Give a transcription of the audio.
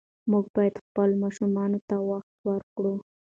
موږ باید خپلو ماشومانو ته وخت ورکړو.